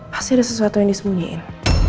pasti ada sesuatu yang disembunyiin